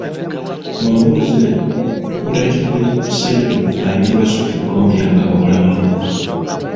Mu mboozi eno, tukuleetedde ssereebu ayitibwa Sophie Gombya nga awabula abavubuka.